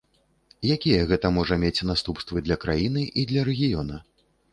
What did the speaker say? Якія гэта можа мець наступствы для краіны і для рэгіёна?